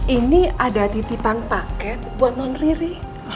ini ada titipan paket buat non riri